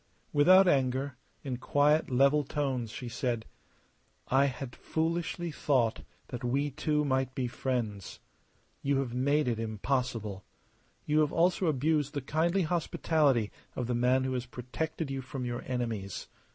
Without anger, in quiet, level tones she said: "I had foolishly thought that we two might be friends. You have made it impossible. You have also abused the kindly hospitality of the man who has protected you from your enemies.